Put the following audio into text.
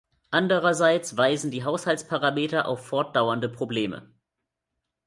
Andererseits weisen die Haushaltsparameter auf fortdauernde Probleme.